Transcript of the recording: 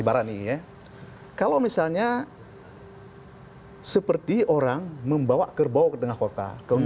karena orang mengatakan